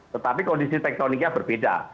tetapi kondisi pektoniknya berbeda